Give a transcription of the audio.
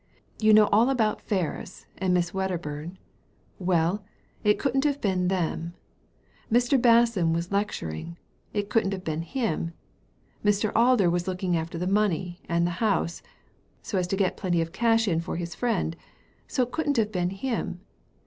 You know all about Ferris, and Miss Wedderbum ; well, it couldn't have been them. Mr. Basson was lecturing ; it couldn't have been him. Mr. Alder was looking after the money and the house, so as to get plenty of cash in for his friend ; so it couldn't have been him.